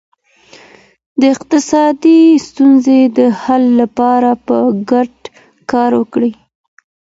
د اقتصادي ستونزو د حل لپاره په ګډه کار وکړئ.